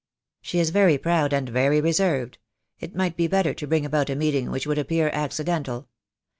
"She is very proud and very reserved. It might be better to bring about a meeting which would appear ac cidental.